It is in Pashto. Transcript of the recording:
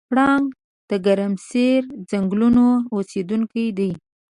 پړانګ د ګرمسیر ځنګلونو اوسېدونکی دی.